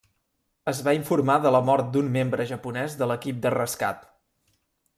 Es va informar de la mort d'un membre japonès de l'equip de rescat.